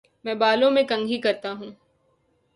میں بالوں میں کنگھی کرتا ہوں